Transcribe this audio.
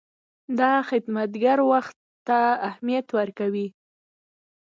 دا خدمتګر وخت ته اهمیت ورکوي.